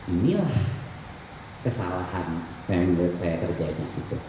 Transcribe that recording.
inilah kesalahan yang menurut saya terjadi